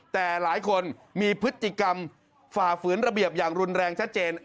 แต่หลายคนมีพฤติกรรมฝ่าฝืนระเบียบอย่างรุนแรงชัดเจน